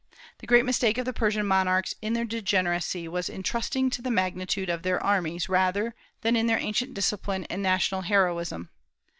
The great mistake of the Persian monarchs in their degeneracy was in trusting to the magnitude of their armies rather than in their ancient discipline and national heroism.